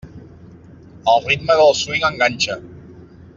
El ritme del swing enganxa.